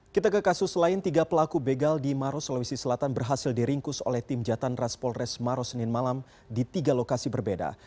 kita ke kasus lain tiga pelaku begal di maros sulawesi selatan berhasil diringkus oleh tim jatan ras polres maros senin malam di tiga lokasi berbeda